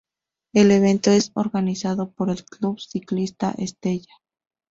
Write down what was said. El evento es organizado por el Club Ciclista Estella.